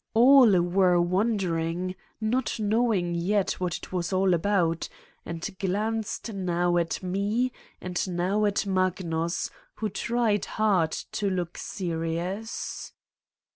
All were won dering, not knowing yet what it was all about, and glanced now at me and now at Magnus, who tried hard to look serious.